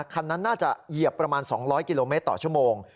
คันนั้นน่าจะเหยียบประมาณ๒๐๐กิโลเมตรต่อชั่วโมง